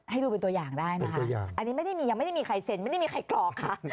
ให้ดูเป็นตัวอย่างได้นะคะอันนี้ไม่ได้มียังไม่ได้มีใครเซ็นไม่ได้มีใครกรอกค่ะ